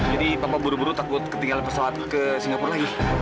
jadi papa buru buru takut ketinggalan pesawat ke singapura lagi